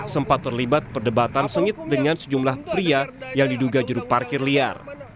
sempat terlibat perdebatan sengit dengan sejumlah pria yang diduga jeruk parkir liar